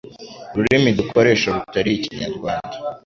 ururimi dukoresha rutari ikinyarwanda.